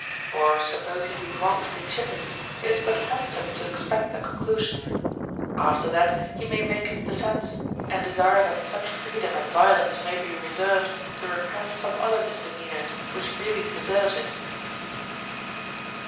Or suppose he be wrongfully chidden, it is but handsome to expect the conclusion ; after that he may make his defence, and desire that such freedom and Λdo lence may be reserved to repress some other misdemeanor which really deserves it.